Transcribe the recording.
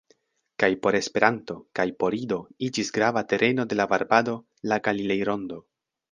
Kaj por Esperanto, kaj por Ido iĝis grava tereno de la varbado la Galilei-Rondo.